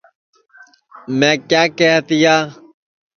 میں کیا کیہیا تیا